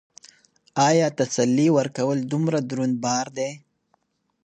ایا تسلي ورکول دومره دروند بار دی؟